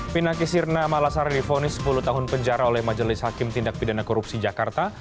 pinangki sirna malasarilifoni sepuluh tahun penjara oleh majelis hakim tindak pidana korupsi jakarta